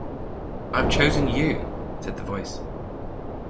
"I've chosen you," said the Voice.